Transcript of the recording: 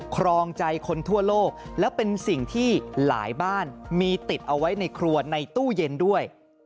ครองใจคนทั่วโลกและเป็นสิ่งที่หลายบ้านมีติดเอาไว้ในครัวในตู้เย็นด้วย